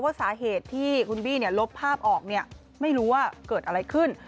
สาเหตุที่คุณบี้ลบภาพออกเนี่ยไม่รู้ว่าเกิดอะไรขึ้น